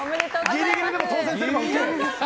ギリギリでも当選すればＯＫ！